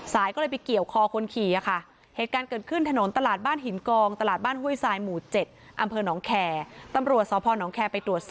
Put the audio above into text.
สอบรถจักรยานยนต์ทะเบียน๑กกท๒๐๘๖